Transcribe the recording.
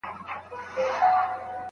لارښود د شاګرد مخالفت ولې نه مني؟